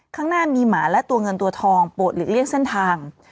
ข้างหน้ามีหมาและตัวเงินตัวทองโปรดหลีกเลี่ยงเส้นทาง